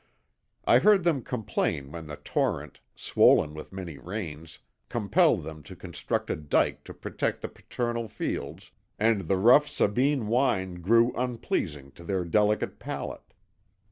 "I heard them complain when the torrent, swollen with many rains, compelled them to construct a dyke to protect the paternal fields, and the rough Sabine wine grew unpleasing to their delicate palate.